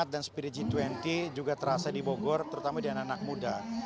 dan spirit g dua puluh juga terasa di bogor terutama di anak anak muda